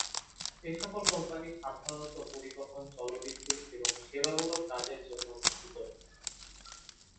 এ সকল কোম্পানি সাধারণত পরিবহন, জলবিদ্যুৎ এবং সেবামূলক কাজের জন্য গঠিত।